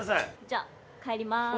じゃあ帰ります。